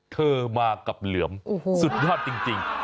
เธอมากับเหลือมสุดยอดจริง